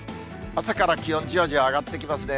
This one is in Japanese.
朝から気温、じわじわ上がってきますね。